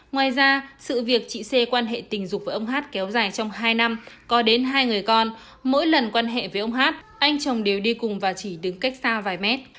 ngoài ra sự việc chị xê quan hệ tình dục với ông hát kéo dài trong hai năm có đến hai người con mỗi lần quan hệ với ông hát anh chồng đều đi cùng và chỉ đứng cách xa vài mét